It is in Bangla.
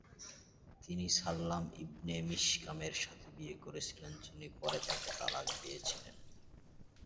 তিনি সাল্লাম ইবনে মিশকামের সাথে বিয়ে করেছিলেন, যিনি পরে তাকে তালাক দিয়েছিলেন।